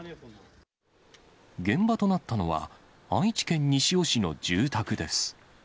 現場となったのは、愛知県西尾市の住宅です。